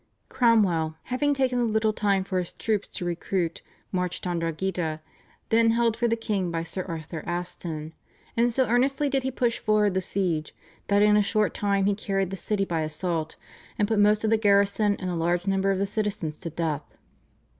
Cromwell, having taken a little time for his troops to recruit, marched on Drogheda, then held for the king by Sir Arthur Aston, and so earnestly did he push forward the siege that in a short time he carried the city by assault, and put most of the garrison and a large number of the citizens to death.